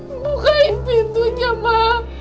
ma bukain pintunya ma